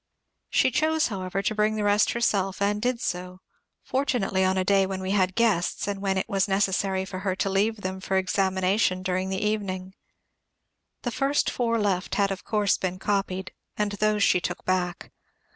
She chose, however, to bring the rest herself, and did so, fortunately on a day when we had guests and when it was necessary for her to leave them for examination during the evening. The four first left had of course been copied, and those she took back.